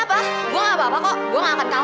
apa gue gak apa apa kok gue gak akan kalah